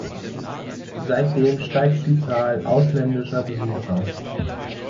Seitdem steigt die Zahl ausländischer Besucher.